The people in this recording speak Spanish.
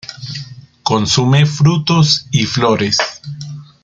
Consume frutos y flores.